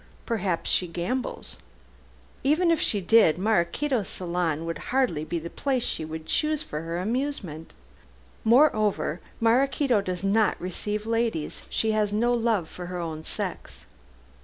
"Perhaps she gambles." "Even if she did, Maraquito's salon would hardly be the place she would choose for her amusement. Moreover, Maraquito does not receive ladies. She has no love for her own sex."